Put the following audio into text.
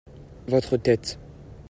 votre tête.